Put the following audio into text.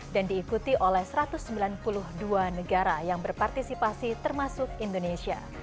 dan diikuti oleh satu ratus sembilan puluh dua negara yang berpartisipasi termasuk indonesia